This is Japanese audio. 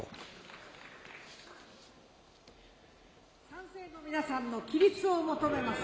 賛成の皆さんの起立を求めます。